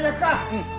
うん。